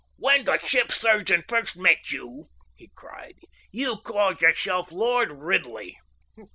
"When the ship's surgeon first met you," he cried, "you called yourself Lord Ridley."